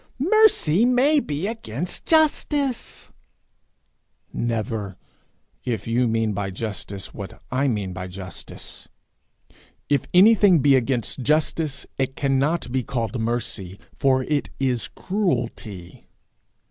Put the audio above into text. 'Mercy may be against justice.' Never if you mean by justice what I mean by justice. If anything be against justice, it cannot be called mercy, for it is cruelty.